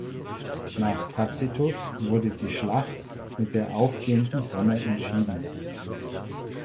Nach Tacitus wurde die Schlacht mit der aufgehenden Sonne entschieden.